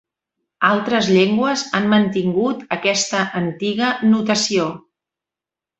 Altres llengües han mantingut aquesta antiga notació.